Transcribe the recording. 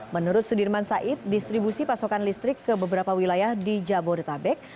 menurut sudirman said distribusi pasokan listrik ke beberapa wilayah di jabodetabek